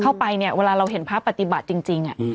เข้าไปเนี้ยเวลาเราเห็นภาพปฏิบัติจริงจริงอ่ะอืม